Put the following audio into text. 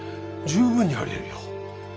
十分にありえるよ。